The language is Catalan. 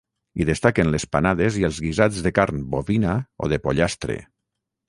Hi destaquen les panades i els guisats de carn bovina o de pollastre.